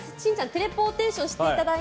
テレポーテーションしていただいて。